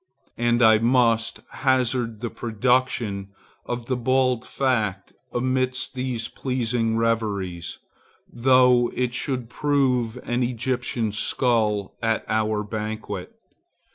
And I must hazard the production of the bald fact amidst these pleasing reveries, though it should prove an Egyptian skull at our banquet.